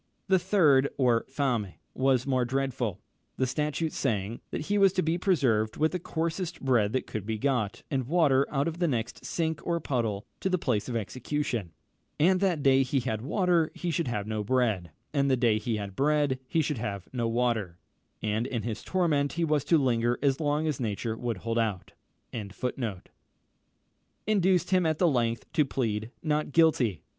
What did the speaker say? The third, or fame, was more dreadful, the statute saying, "That he was to be preserved with the coarsest bread that could be got, and water out of the next sink, or puddle, to the place of execution; and that day he had water he should have no bread, and that day he had bread he should have no water;" and in this torment he was to linger as long as nature would hold out.